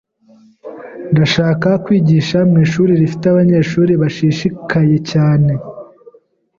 Ndashaka kwigisha mwishuri rifite abanyeshuri bashishikaye cyane.